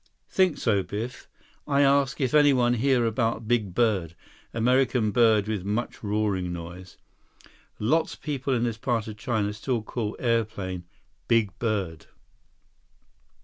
108 "Think so, Biff. I ask if anyone hear about big bird—American bird with much roaring noise. Lots people in this part of China still call airplane big bird."